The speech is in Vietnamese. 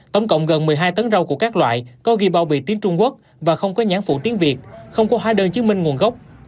tổng cộng gần một mươi hai tấn rau củ các loại có ghi bao bì tiếng trung quốc và không có nhãn phụ tiếng việt không có hóa đơn chứng minh nguồn gốc